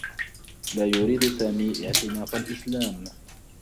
لا يريد سامي اعتناق الإسلام.